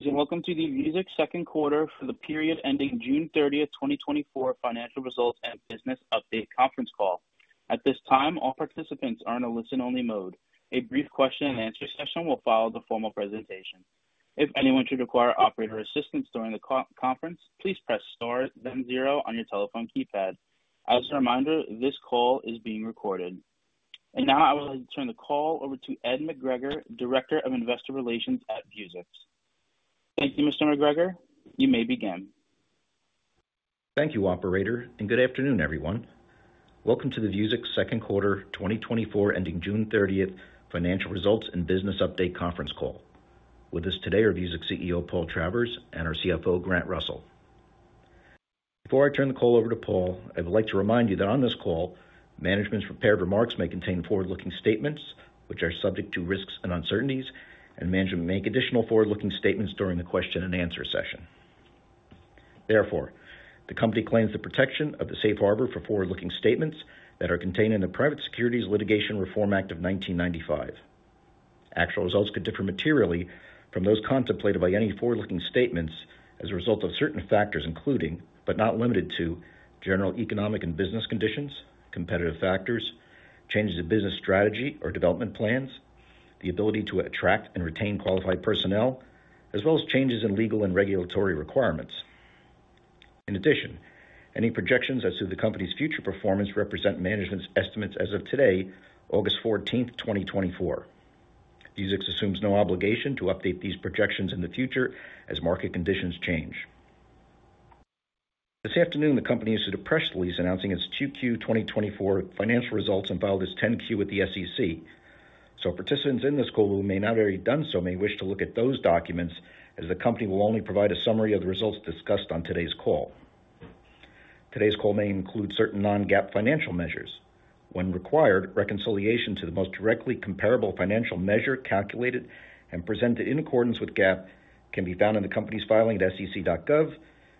Good morning, and Welcome to the Vuzix Second Quarter for the Period ending June 30th, 2024 Financial Results and Business Update Conference Call. At this time, all participants are in a listen-only mode. A brief question and answer session will follow the formal presentation. If anyone should require operator assistance during the conference, please press star, then zero on your telephone keypad. As a reminder, this call is being recorded. And now I would like to turn the call over to Ed McGregor, Director of Investor Relations at Vuzix. Thank you, Mr. McGregor. You may begin. Thank you, operator, and good afternoon, everyone. Welcome to the Vuzix Second Quarter 2024, Ending June 30th, Financial Results and Business Update Conference Call. With us today are Vuzix CEO, Paul Travers, and our CFO, Grant Russell. Before I turn the call over to Paul, I would like to remind you that on this call, management's prepared remarks may contain forward-looking statements, which are subject to risks and uncertainties, and management may make additional forward-looking statements during the question and answer session. Therefore, the company claims the protection of the Safe Harbor for forward-looking statements that are contained in the Private Securities Litigation Reform Act of 1995. Actual results could differ materially from those contemplated by any forward-looking statements as a result of certain factors, including, but not limited to, general economic and business conditions, competitive factors, changes in business strategy or development plans, the ability to attract and retain qualified personnel, as well as changes in legal and regulatory requirements. In addition, any projections as to the company's future performance represent management's estimates as of today, August 14, 2024. Vuzix assumes no obligation to update these projections in the future as market conditions change. This afternoon, the company issued a press release announcing its Q2 2024 financial results and filed a 10-Q with the SEC. So participants in this call who may not have already done so, may wish to look at those documents, as the company will only provide a summary of the results discussed on today's call. Today's call may include certain non-GAAP financial measures. When required, reconciliation to the most directly comparable financial measure, calculated and presented in accordance with GAAP, can be found in the company's filing at SEC.gov,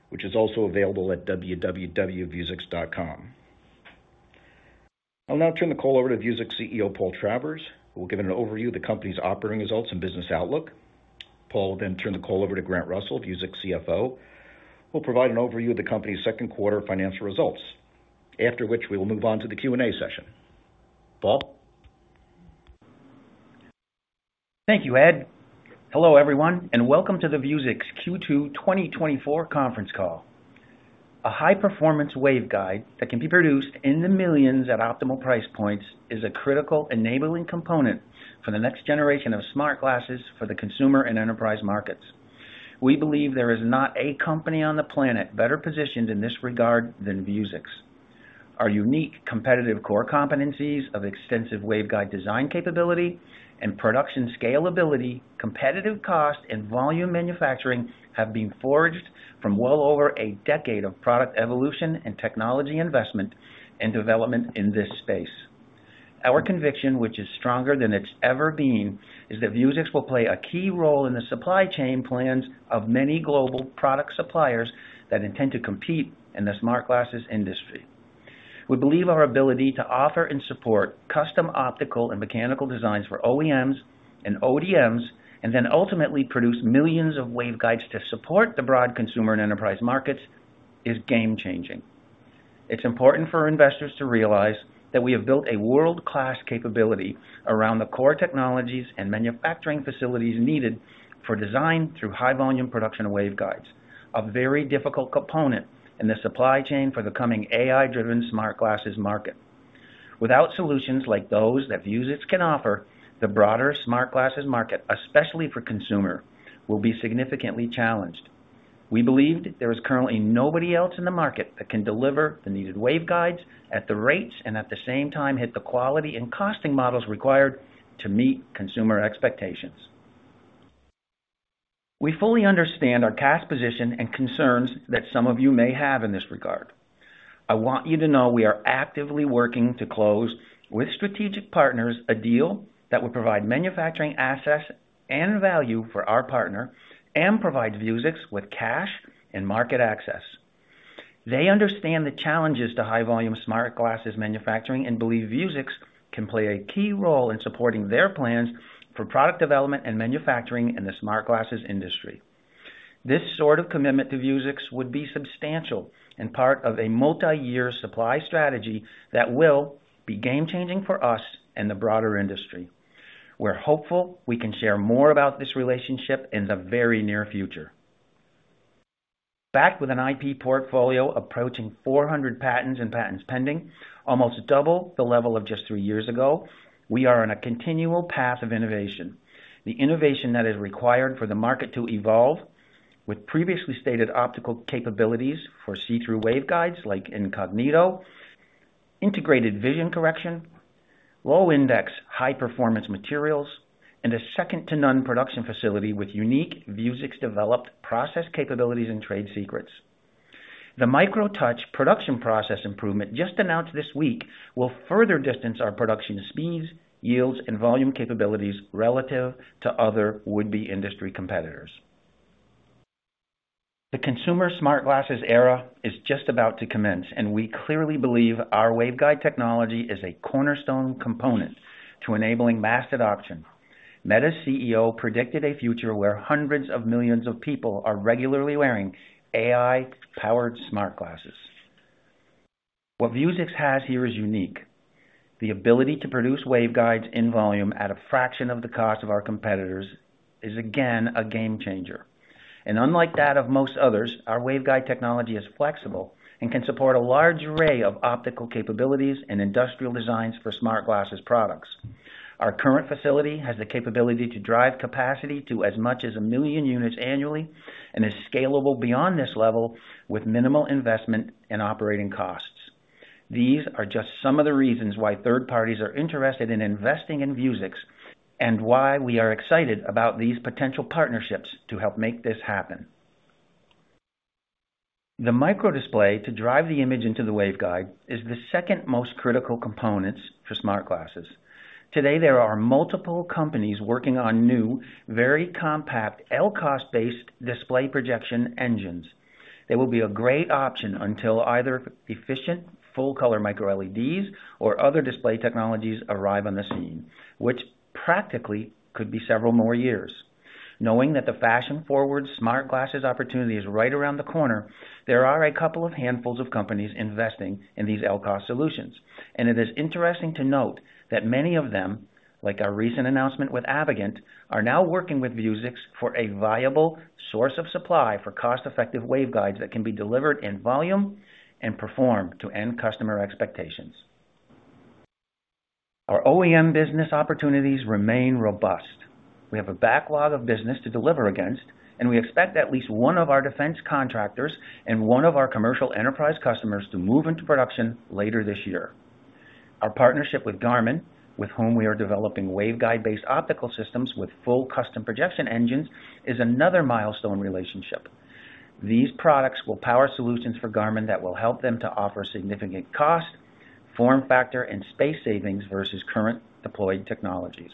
which is also available at www.vuzix.com. I'll now turn the call over to Vuzix CEO, Paul Travers, who will give an overview of the company's operating results and business outlook. Paul will then turn the call over to Grant Russell, Vuzix CFO, who will provide an overview of the company's second quarter financial results, after which we will move on to the Q&A session. Paul? Thank you, Ed. Hello, everyone, and welcome to the Vuzix Q2 2024 conference call. A high-performance waveguide that can be produced in the millions at optimal price points is a critical enabling component for the next generation of smart glasses for the consumer and enterprise markets. We believe there is not a company on the planet better positioned in this regard than Vuzix. Our unique competitive core competencies of extensive waveguide design capability and production scalability, competitive cost and volume manufacturing have been forged from well over a decade of product evolution and technology investment and development in this space. Our conviction, which is stronger than it's ever been, is that Vuzix will play a key role in the supply chain plans of many global product suppliers that intend to compete in the smart glasses industry. We believe our ability to offer and support custom optical and mechanical designs for OEMs and ODMs, and then ultimately produce millions of waveguides to support the broad consumer and enterprise markets, is game changing. It's important for investors to realize that we have built a world-class capability around the core technologies and manufacturing facilities needed for design through high volume production of waveguides, a very difficult component in the supply chain for the coming AI-driven smart glasses market. Without solutions like those that Vuzix can offer, the broader smart glasses market, especially for consumer, will be significantly challenged. We believe there is currently nobody else in the market that can deliver the needed waveguides at the rates and at the same time hit the quality and costing models required to meet consumer expectations. We fully understand our cash position and concerns that some of you may have in this regard. I want you to know we are actively working to close with strategic partners, a deal that would provide manufacturing access and value for our partner and provide Vuzix with cash and market access. They understand the challenges to high volume smart glasses manufacturing and believe Vuzix can play a key role in supporting their plans for product development and manufacturing in the smart glasses industry. This sort of commitment to Vuzix would be substantial and part of a multi-year supply strategy that will be game changing for us and the broader industry. We're hopeful we can share more about this relationship in the very near future. Back with an IP portfolio approaching 400 patents and patents pending, almost double the level of just three years ago, we are on a continual path of innovation. The innovation that is required for the market to evolve with previously stated optical capabilities for see-through waveguides like Incognito, integrated vision correction, low-index, high performance materials, and a second to none production facility with unique Vuzix-developed process capabilities and trade secrets. The Micro-Touch production process improvement just announced this week, will further distance our production speeds, yields, and volume capabilities relative to other would-be industry competitors. The consumer smart glasses era is just about to commence, and we clearly believe our waveguide technology is a cornerstone component to enabling mass adoption. Meta's CEO predicted a future where hundreds of millions of people are regularly wearing AI-powered smart glasses. What Vuzix has here is unique. The ability to produce waveguides in volume at a fraction of the cost of our competitors is, again, a game changer. Unlike that of most others, our waveguide technology is flexible and can support a large array of optical capabilities and industrial designs for smart glasses products. Our current facility has the capability to drive capacity to as much as 1 million units annually and is scalable beyond this level with minimal investment and operating costs. These are just some of the reasons why third parties are interested in investing in Vuzix, and why we are excited about these potential partnerships to help make this happen. The microdisplay to drive the image into the waveguide is the second most critical component for smart glasses. Today, there are multiple companies working on new, very compact, LCoS-based display projection engines. They will be a great option until either efficient, full-color microLEDs or other display technologies arrive on the scene, which practically could be several more years. Knowing that the fashion-forward smart glasses opportunity is right around the corner, there are a couple of handfuls of companies investing in these LCoS solutions, and it is interesting to note that many of them, like our recent announcement with Avegant, are now working with Vuzix for a viable source of supply for cost-effective waveguides that can be delivered in volume and perform to end customer expectations. Our OEM business opportunities remain robust. We have a backlog of business to deliver against, and we expect at least one of our defense contractors and one of our commercial enterprise customers to move into production later this year. Our partnership with Garmin, with whom we are developing waveguide-based optical systems with full custom projection engines, is another milestone relationship. These products will power solutions for Garmin that will help them to offer significant cost, form factor, and space savings versus current deployed technologies.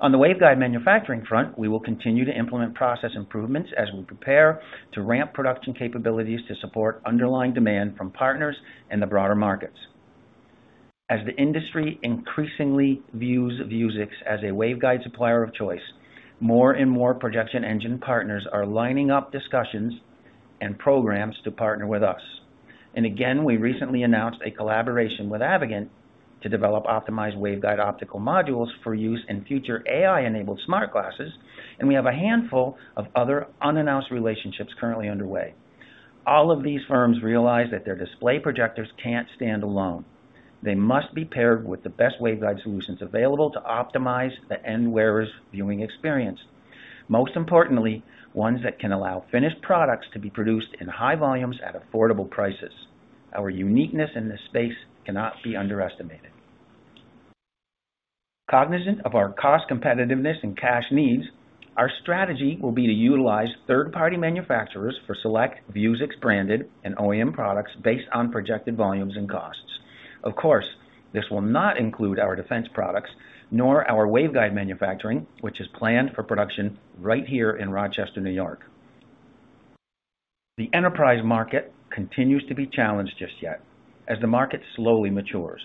On the waveguide manufacturing front, we will continue to implement process improvements as we prepare to ramp production capabilities to support underlying demand from partners and the broader markets. As the industry increasingly views Vuzix as a waveguide supplier of choice, more and more projection engine partners are lining up discussions and programs to partner with us. And again, we recently announced a collaboration with Avegant to develop optimized waveguide optical modules for use in future AI-enabled smart glasses, and we have a handful of other unannounced relationships currently underway. All of these firms realize that their display projectors can't stand alone. They must be paired with the best waveguide solutions available to optimize the end wearer's viewing experience, most importantly, ones that can allow finished products to be produced in high volumes at affordable prices. Our uniqueness in this space cannot be underestimated. Cognizant of our cost competitiveness and cash needs, our strategy will be to utilize third-party manufacturers for select Vuzix-branded and OEM products based on projected volumes and costs. Of course, this will not include our defense products, nor our waveguide manufacturing, which is planned for production right here in Rochester, New York. The enterprise market continues to be challenged just yet, as the market slowly matures.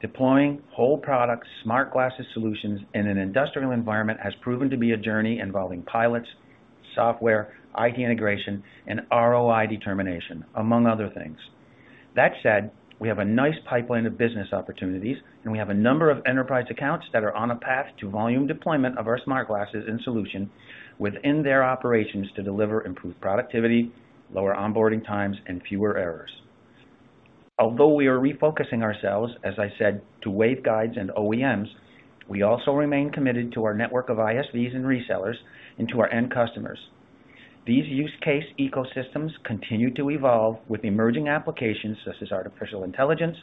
Deploying whole product smart glasses solutions in an industrial environment has proven to be a journey involving pilots, software, IT integration, and ROI determination, among other things. That said, we have a nice pipeline of business opportunities, and we have a number of enterprise accounts that are on a path to volume deployment of our smart glasses and solution within their operations to deliver improved productivity, lower onboarding times, and fewer errors. Although we are refocusing ourselves, as I said, to waveguides and OEMs, we also remain committed to our network of ISVs and resellers into our end customers. These use case ecosystems continue to evolve with emerging applications such as artificial intelligence,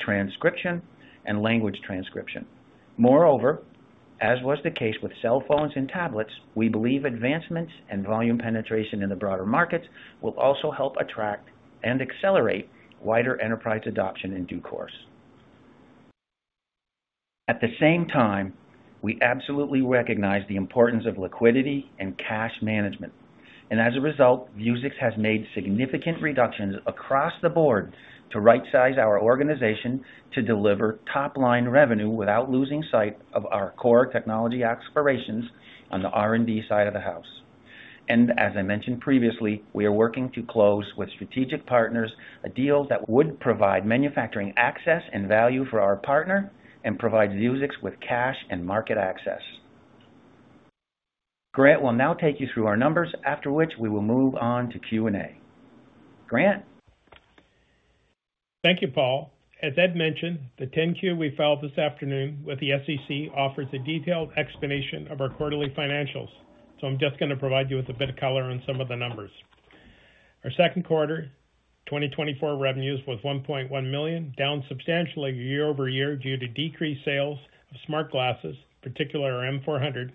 transcription, and language transcription. Moreover, as was the case with cell phones and tablets, we believe advancements and volume penetration in the broader markets will also help attract and accelerate wider enterprise adoption in due course. At the same time, we absolutely recognize the importance of liquidity and cash management, and as a result, Vuzix has made significant reductions across the board to rightsize our organization to deliver top-line revenue without losing sight of our core technology aspirations on the R&D side of the house. As I mentioned previously, we are working to close with strategic partners a deal that would provide manufacturing access and value for our partner and provide Vuzix with cash and market access. Grant will now take you through our numbers, after which we will move on to Q&A. Grant? Thank you, Paul. As Ed mentioned, the 10-Q we filed this afternoon with the SEC offers a detailed explanation of our quarterly financials, so I'm just going to provide you with a bit of color on some of the numbers. Our second quarter 2024 revenues was $1.1 million, down substantially year-over-year due to decreased sales of smart glasses, particularly our M400,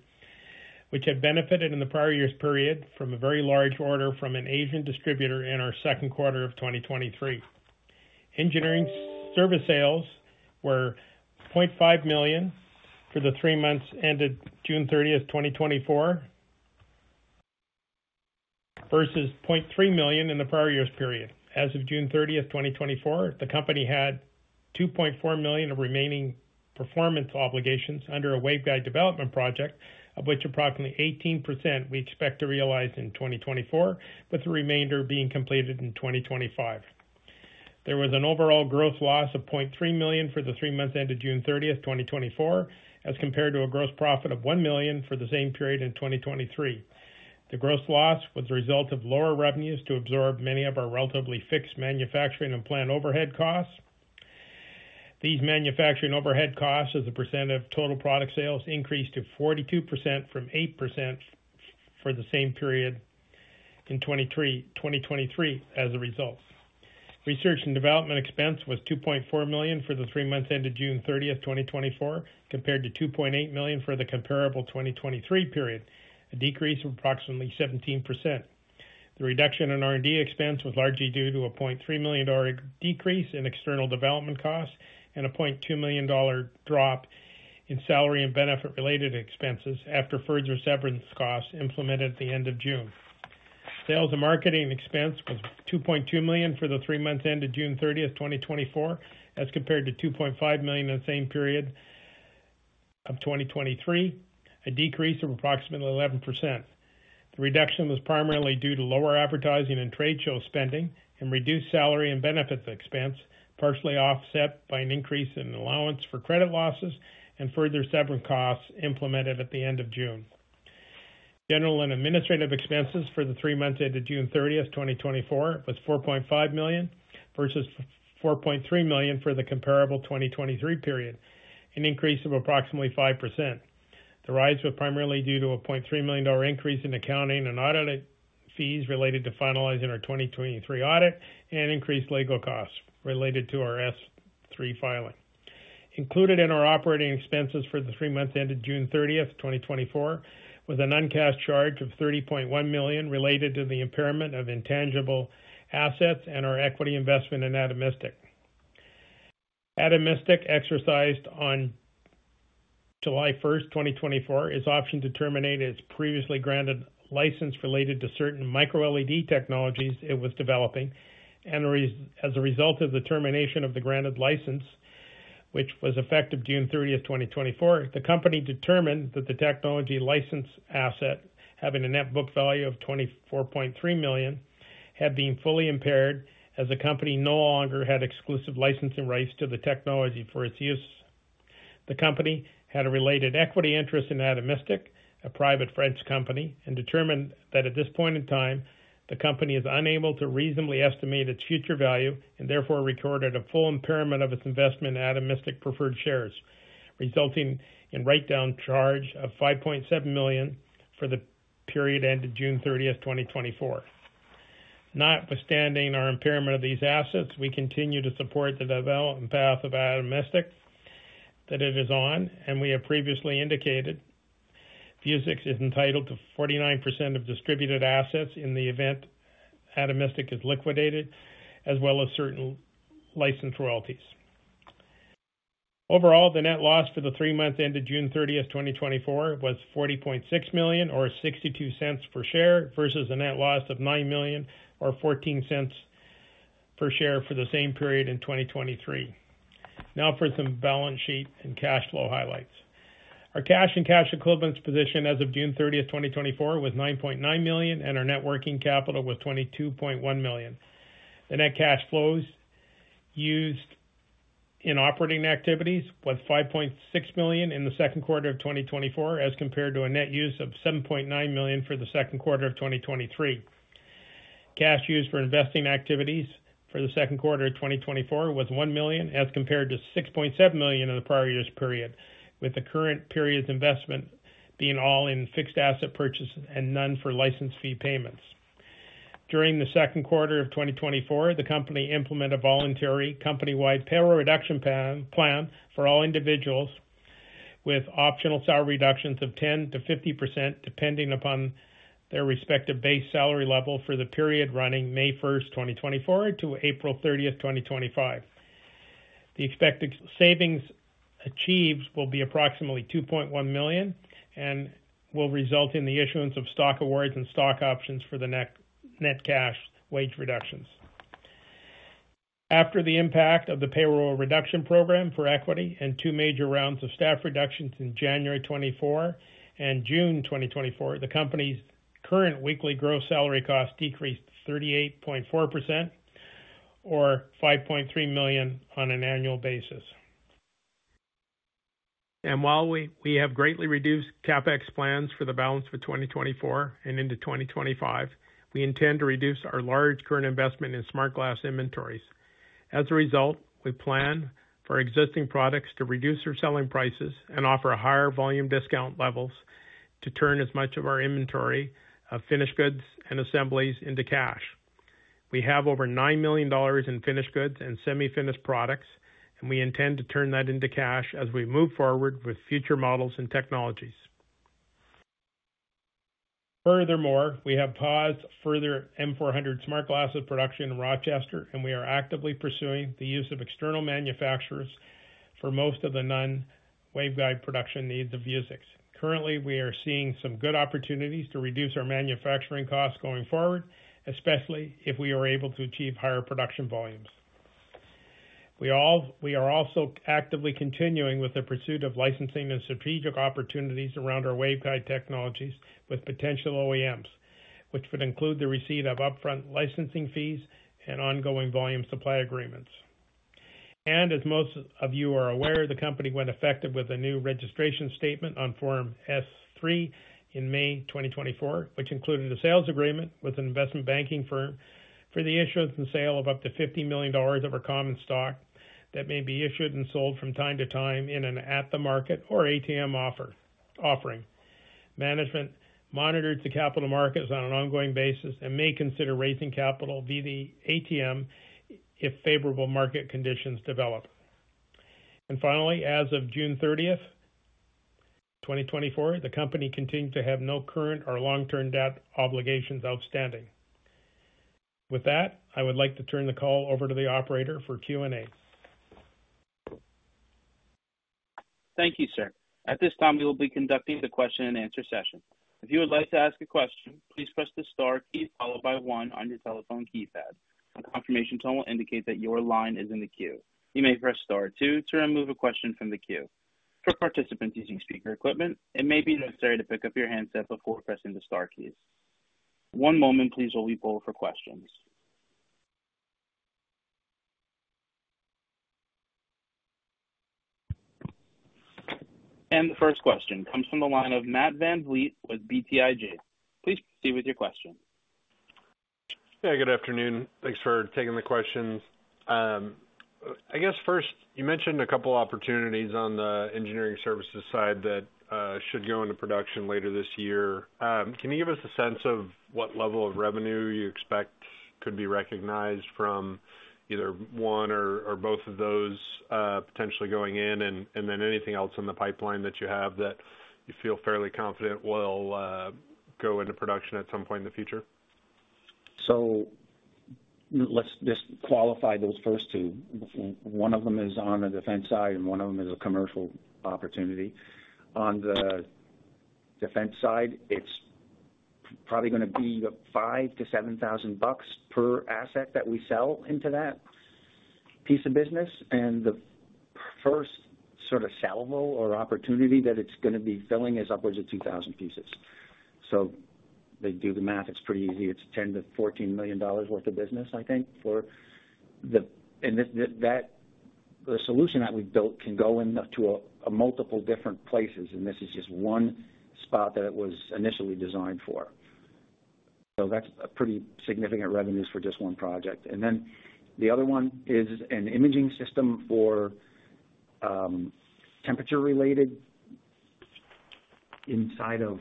which had benefited in the prior year's period from a very large order from an Asian distributor in our second quarter of 2023. Engineering service sales were $0.5 million for the three months ended June 30, 2024, versus $0.3 million in the prior year's period. As of June 30, 2024, the company had $2.4 million of remaining performance obligations under a waveguide development project, of which approximately 18% we expect to realize in 2024, with the remainder being completed in 2025. There was an overall gross loss of $0.3 million for the three months ended June 30, 2024, as compared to a gross profit of $1 million for the same period in 2023. The gross loss was a result of lower revenues to absorb many of our relatively fixed manufacturing and plant overhead costs. These manufacturing overhead costs, as a percent of total product sales, increased to 42% from 8% for the same period in 2023 as a result. Research and development expense was $2.4 million for the three months ended June 30th, 2024, compared to $2.8 million for the comparable 2023 period, a decrease of approximately 17%. The reduction in R&D expense was largely due to a $0.3 million decrease in external development costs and a $0.2 million drop in salary and benefit-related expenses after further severance costs implemented at the end of June. Sales and marketing expense was $2.2 million for the three months ended June 30th, 2024, as compared to $2.5 million in the same period of 2023, a decrease of approximately 11%. The reduction was primarily due to lower advertising and trade show spending and reduced salary and benefits expense, partially offset by an increase in allowance for credit losses and further severance costs implemented at the end of June. General and administrative expenses for the three months ended June 30, 2024, was $4.5 million, versus $4.3 million for the comparable 2023 period, an increase of approximately 5%. The rise was primarily due to a $0.3 million increase in accounting and audited fees related to finalizing our 2023 audit and increased legal costs related to our S-3 filing. Included in our operating expenses for the three months ended June 30, 2024, was a non-cash charge of $30.1 million related to the impairment of intangible assets and our equity investment in Atomistic. Atomistic exercised on July 1st, 2024, its option to terminate its previously granted license related to certain microLED technologies it was developing, and as a result of the termination of the granted license, which was effective June 30th, 2024, the company determined that the technology license asset, having a net book value of $24.3 million, had been fully impaired, as the company no longer had exclusive licensing rights to the technology for its use. The company had a related equity interest in Atomistic, a private French company, and determined that at this point in time, the company is unable to reasonably estimate its future value, and therefore, recorded a full impairment of its investment in Atomistic preferred shares, resulting in write-down charge of $5.7 million for the period ended June 30th, 2024. Notwithstanding our impairment of these assets, we continue to support the development path of Atomistic that it is on, and we have previously indicated, Vuzix is entitled to 49% of distributed assets in the event Atomistic is liquidated, as well as certain license royalties. Overall, the net loss for the three months ended June 30, 2024, was $40.6 million or $0.62 per share, versus a net loss of $9 million or $0.14 per share for the same period in 2023. Now for some balance sheet and cash flow highlights. Our cash and cash equivalents position as of June 30, 2024, was $9.9 million, and our net working capital was $22.1 million. The net cash flows used in operating activities was $5.6 million in the second quarter of 2024, as compared to a net use of $7.9 million for the second quarter of 2023. Cash used for investing activities for the second quarter of 2024 was $1 million, as compared to $6.7 million in the prior year's period, with the current period's investment being all in fixed asset purchases and none for license fee payments. During the second quarter of 2024, the company implemented a voluntary company-wide payroll reduction plan for all individuals with optional salary reductions of 10%-50%, depending upon their respective base salary level for the period running May 1st, 2024, to April 30th, 2025. The expected savings achieved will be approximately $2.1 million and will result in the issuance of stock awards and stock options for the net, net cash wage reductions. After the impact of the payroll reduction program for equity and two major rounds of staff reductions in January 2024 and June 2024, the company's current weekly gross salary cost decreased 38.4% or $5.3 million on an annual basis. While we have greatly reduced CapEx plans for the balance of 2024 and into 2025, we intend to reduce our large current investment in smart glass inventories. As a result, we plan for our existing products to reduce their selling prices and offer higher volume discount levels to turn as much of our inventory of finished goods and assemblies into cash. We have over $9 million in finished goods and semi-finished products, and we intend to turn that into cash as we move forward with future models and technologies. Furthermore, we have paused further M400 smart glasses production in Rochester, and we are actively pursuing the use of external manufacturers for most of the non-waveguide production needs of Vuzix. Currently, we are seeing some good opportunities to reduce our manufacturing costs going forward, especially if we are able to achieve higher production volumes. We are also actively continuing with the pursuit of licensing and strategic opportunities around our waveguide technologies with potential OEMs, which would include the receipt of upfront licensing fees and ongoing volume supply agreements. As most of you are aware, the company went effective with a new registration statement on Form S-3 in May 2024, which included a sales agreement with an investment banking firm for the issuance and sale of up to $50 million of our common stock that may be issued and sold from time to time in an at-the-market or ATM offering. Management monitors the capital markets on an ongoing basis and may consider raising capital via the ATM if favorable market conditions develop. And finally, as of June 30th, 2024, the company continued to have no current or long-term debt obligations outstanding. With that, I would like to turn the call over to the operator for Q&A. Thank you, sir. At this time, we will be conducting the question-and-answer session. If you would like to ask a question, please press the star key followed by one on your telephone keypad. A confirmation tone will indicate that your line is in the queue. You may press star two to remove a question from the queue. For participants using speaker equipment, it may be necessary to pick up your handset before pressing the star keys. One moment, please, while we poll for questions. The first question comes from the line of Matt VanVliet with BTIG. Please proceed with your question. Yeah, good afternoon. Thanks for taking the questions. I guess first, you mentioned a couple opportunities on the engineering services side that should go into production later this year. Can you give us a sense of what level of revenue you expect could be recognized from either one or both of those potentially going in, and then anything else in the pipeline that you have that you feel fairly confident will go into production at some point in the future? So let's just qualify those first two. One of them is on the defense side, and one of them is a commercial opportunity. On the defense side, it's probably gonna be $5,000-$7,000 per asset that we sell into that piece of business, and the first sort of sellable or opportunity that it's gonna be filling is upwards of 2,000 pieces. So they do the math, it's pretty easy. It's $10 million-$14 million worth of business, I think, for the... and that the solution that we've built can go into a multiple different places, and this is just one spot that it was initially designed for. So that's a pretty significant revenues for just one project. And then the other one is an imaging system for temperature-related inside of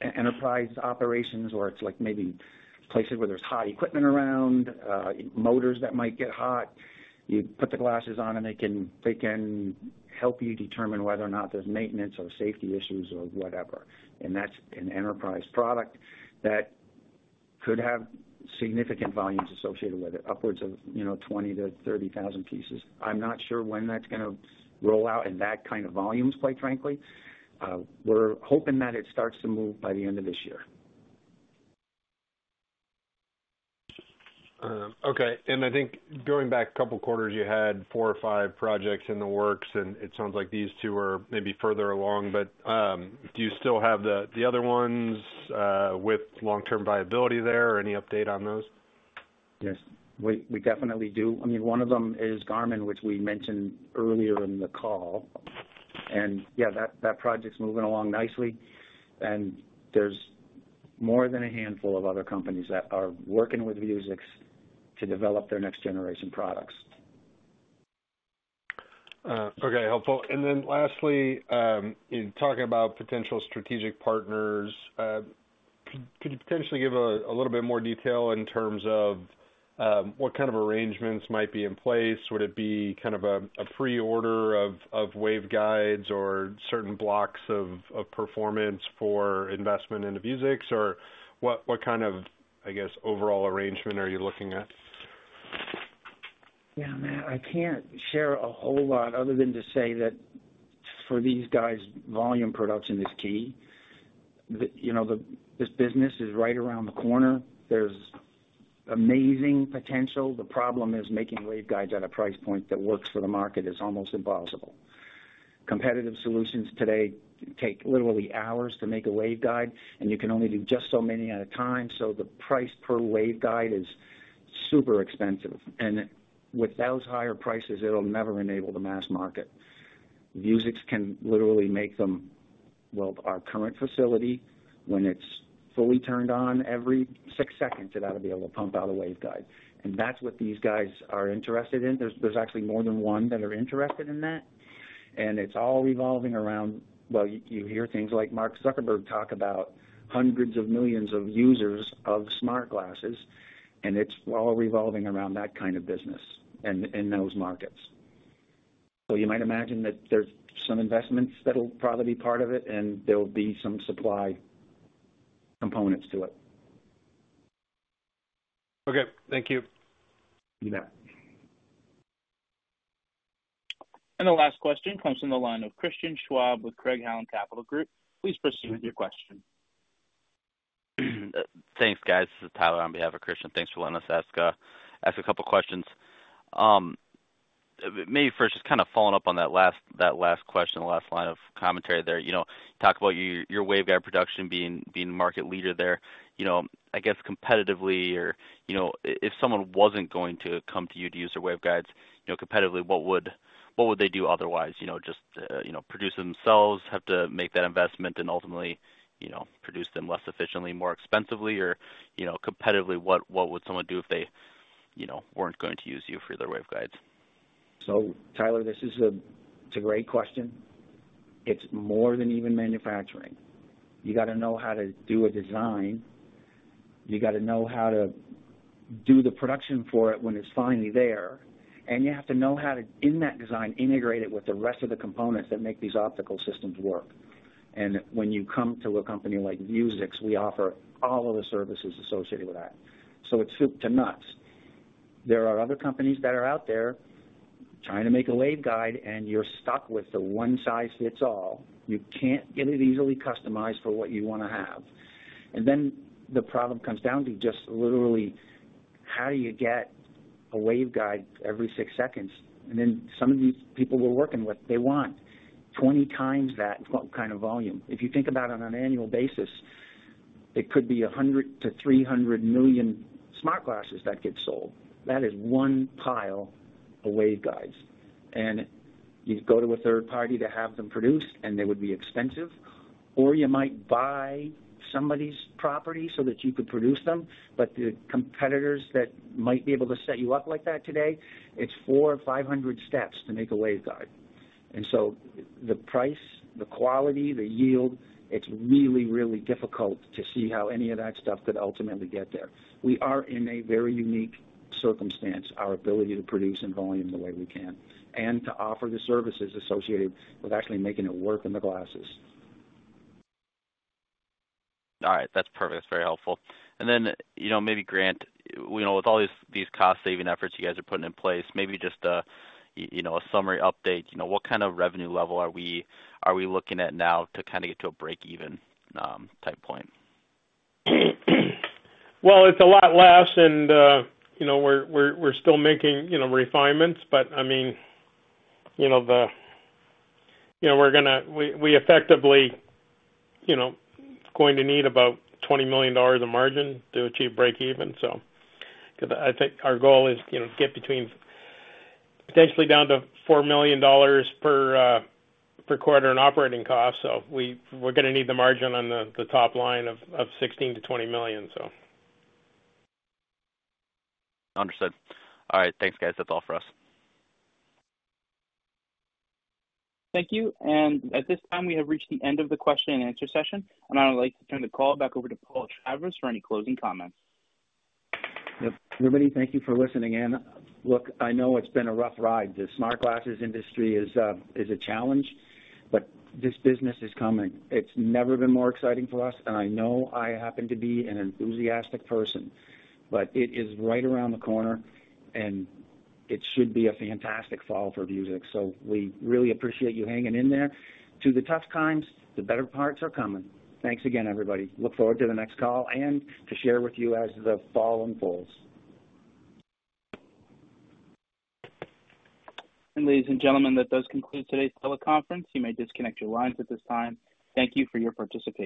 enterprise operations, or it's like maybe places where there's hot equipment around, motors that might get hot. You put the glasses on, and they can, they can help you determine whether or not there's maintenance or safety issues or whatever. And that's an enterprise product that could have significant volumes associated with it, upwards of, you know, 20,000-30,000 pieces. I'm not sure when that's gonna roll out in that kind of volumes, quite frankly. We're hoping that it starts to move by the end of this year. Okay, and I think going back a couple of quarters, you had four or five projects in the works, and it sounds like these two are maybe further along. But, do you still have the other ones with long-term viability there, or any update on those? Yes, we definitely do. I mean, one of them is Garmin, which we mentioned earlier in the call. And yeah, that project's moving along nicely, and there's more than a handful of other companies that are working with Vuzix to develop their next-generation products. Okay, helpful. And then lastly, in talking about potential strategic partners, could you potentially give a little bit more detail in terms of what kind of arrangements might be in place? Would it be kind of a pre-order of waveguides, or certain blocks of performance for investment into Vuzix? Or what kind of, I guess, overall arrangement are you looking at? Yeah, Matt, I can't share a whole lot other than to say that for these guys, volume production is key. You know, this business is right around the corner. There's amazing potential. The problem is, making waveguides at a price point that works for the market is almost impossible. Competitive solutions today take literally hours to make a waveguide, and you can only do just so many at a time, so the price per waveguide is super expensive, and with those higher prices, it'll never enable the mass market. Vuzix can literally make them. Well, our current facility, when it's fully turned on, every six seconds, it ought to be able to pump out a waveguide, and that's what these guys are interested in. There's actually more than one that are interested in that, and it's all revolving around... Well, you hear things like Mark Zuckerberg talk about hundreds of millions of users of smart glasses, and it's all revolving around that kind of business and those markets. So you might imagine that there's some investments that'll probably be part of it, and there'll be some supply components to it. Okay, thank you. You bet. The last question comes from the line of Christian Schwab with Craig-Hallum Capital Group. Please proceed with your question. Thanks, guys. This is Tyler on behalf of Christian. Thanks for letting us ask a couple questions. Maybe first, just kind of following up on that last question, the last line of commentary there. You know, talk about your waveguide production being the market leader there. You know, I guess competitively or, you know, if someone wasn't going to come to you to use your waveguides, you know, competitively, what would they do otherwise? You know, just, you know, produce themselves, have to make that investment and ultimately, you know, produce them less efficiently, more expensively, or, you know, competitively, what would someone do if they, you know, weren't going to use you for their waveguides? So, Tyler, this is a great question. It's more than even manufacturing. You gotta know how to do a design. You gotta know how to do the production for it when it's finally there, and you have to know how to, in that design, integrate it with the rest of the components that make these optical systems work. And when you come to a company like Vuzix, we offer all of the services associated with that. So it's soup to nuts. There are other companies that are out there trying to make a waveguide, and you're stuck with the one-size-fits-all. You can't get it easily customized for what you wanna have. And then the problem comes down to just literally, how do you get a waveguide every six seconds? And then some of the people we're working with, they want 20 times that kind of volume. If you think about it on an annual basis, it could be 100-300 million smart glasses that get sold. That is one pile of waveguides. You go to a third party to have them produced, and they would be expensive, or you might buy somebody's property so that you could produce them. But the competitors that might be able to set you up like that today, it's 400 or 500 steps to make a waveguide. And so the price, the quality, the yield, it's really, really difficult to see how any of that stuff could ultimately get there. We are in a very unique circumstance, our ability to produce in volume the way we can, and to offer the services associated with actually making it work in the glasses. All right. That's perfect. That's very helpful. And then, you know, maybe, Grant, you know, with all these, these cost-saving efforts you guys are putting in place, maybe just a, you know, a summary update. You know, what kind of revenue level are we, are we looking at now to kind of get to a break-even type point? Well, it's a lot less and, you know, we're still making, you know, refinements, but, I mean, you know, the... You know, we're gonna—we effectively, you know, going to need about $20 million in margin to achieve break even, so. Because I think our goal is, you know, get between potentially down to $4 million per quarter in operating costs. So we're gonna need the margin on the top line of $16 million-$20 million, so. Understood. All right. Thanks, guys. That's all for us. Thank you. At this time, we have reached the end of the question and answer session, and I would like to turn the call back over to Paul Travers for any closing comments. Yep. Everybody, thank you for listening in. Look, I know it's been a rough ride. The smart glasses industry is a challenge, but this business is coming. It's never been more exciting for us, and I know I happen to be an enthusiastic person, but it is right around the corner, and it should be a fantastic fall for Vuzix. So we really appreciate you hanging in there. To the tough times, the better parts are coming. Thanks again, everybody. Look forward to the next call and to share with you as the fall unfolds. Ladies and gentlemen, that does conclude today's teleconference. You may disconnect your lines at this time. Thank you for your participation.